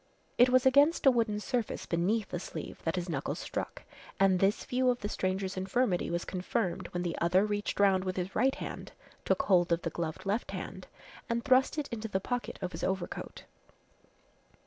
It was against a wooden surface beneath the sleeve that his knuckles struck, and this view of the stranger's infirmity was confirmed when the other reached round with his right hand, took hold of the gloved left hand and thrust it into the pocket of his overcoat.